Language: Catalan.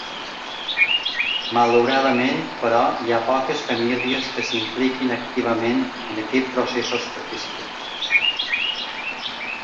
Malauradament, però, hi ha poques famílies que s’impliquin activament en aquests processos participatius.